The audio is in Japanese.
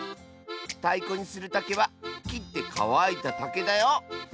たいこにするたけはきってかわいたたけだよ！